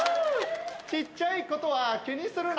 ちっちゃいことは気にするな。